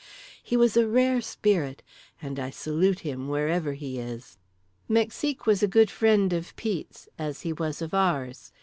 He was a rare spirit, and I salute him wherever he is. Mexique was a good friend of Pete's, as he was of ours.